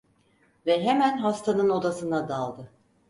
Ve hemen hastanın odasına daldı.